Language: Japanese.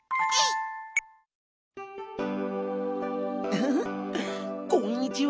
「ウフフこんにちは」。